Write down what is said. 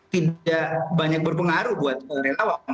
tidak banyak berpengaruh buat relawan